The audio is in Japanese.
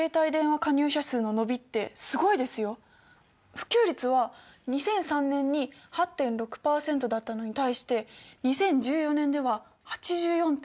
普及率は２００３年に８．６％だったのに対して２０１４年では８４．７％。